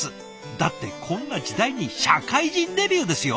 だってこんな時代に社会人デビューですよ。